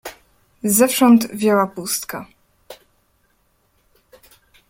"Zewsząd wiała pustka."